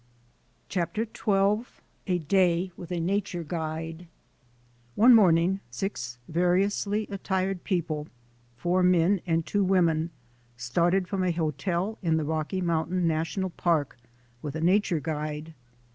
CHAPTER XII A DAY WITH A NATURE GUIDE ONE morning six variously attired people, four men and two women, started from a hotel in the Rocky Mountain National Park with a nature guide.